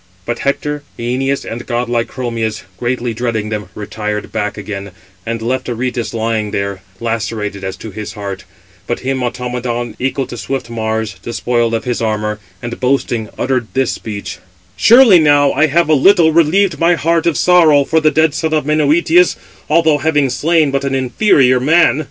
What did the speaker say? But Hector, Æneas, and godlike Chromius, greatly dreading them, retired back again, and left Aretus lying there, lacerated as to his heart; but him Automedon, equal to swift Mars, despoiled of his armour, and, boasting, uttered this speech: "Surely now I have a little relieved my heart of sorrow for the dead son of Menœtius, although having slain but an inferior man."